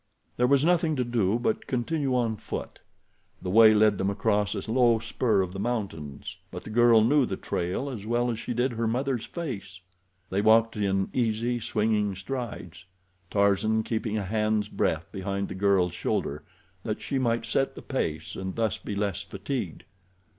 There was nothing to do but continue on foot. The way led them across a low spur of the mountains, but the girl knew the trail as well as she did her mother's face. They walked in easy, swinging strides, Tarzan keeping a hand's breadth behind the girl's shoulder, that she might set the pace, and thus be less fatigued.